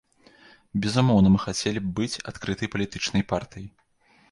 Безумоўна, мы хацелі б быць адкрытай палітычнай партыяй.